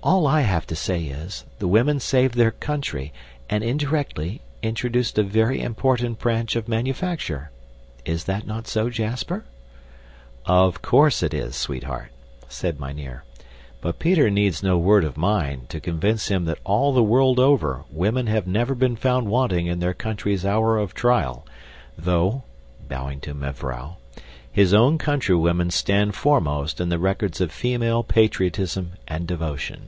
All I have to say is, the women saved their country and, indirectly, introduced a very important branch of manufacture. Is not that so, Jasper?" "Of course it is, sweetheart," said mynheer, "but Peter needs no word of mine to convince him that all the world over women have never been found wanting in their country's hour of trial, though" (bowing to mevrouw) "his own country women stand foremost in the records of female patriotism and devotion."